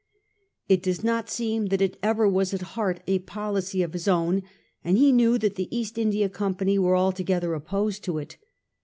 It does not seem that it ever was at Heart a policy of Ms own, and He knew tkat tke East India Company were altogether opposed to it.